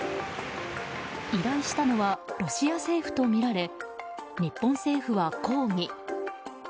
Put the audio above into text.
依頼したのはロシア政府とみられ日本政府は抗議。